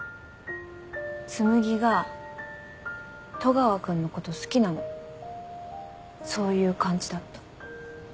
紬が戸川君のこと好きなのそういう感じだった。